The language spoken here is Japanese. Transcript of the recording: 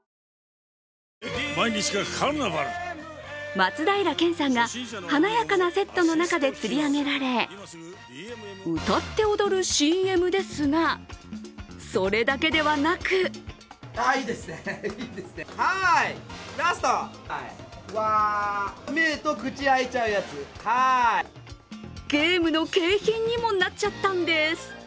松平健さんが華やかなセットの中でつり上げられ、歌って踊るＣＭですがそれだけではなくゲームの景品にもなっちゃったんです。